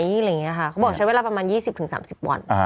เวลาใช้ประมาณ๒๐๓๐วัน